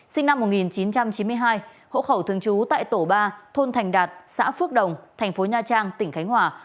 sinh năm một nghìn chín trăm chín mươi hai hộ khẩu thường trú tại tổ ba thôn thành đạt xã phước đồng thành phố nha trang tỉnh khánh hòa